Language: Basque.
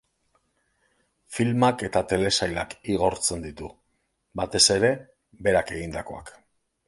Filmak eta telesailak igortzen ditu, batez ere, berak egindakoak.